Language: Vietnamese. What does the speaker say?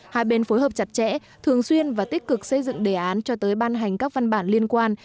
hai bên phối hợp chặt chẽ thường xuyên và tích cực xây dựng đề án cho tới ban hành các văn bản liên quan